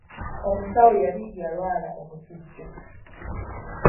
Omusawo yali yalwala omusujja.